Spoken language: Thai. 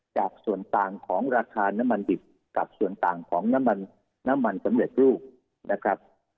จากส่วนต่างของราคาน้ำมันดิบกับส่วนต่างของน้ำมันน้ำมันสำเร็จรูปนะครับ